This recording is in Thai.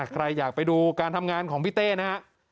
ใครอยากไปดูการทำงานของพี่เต้นะฮะ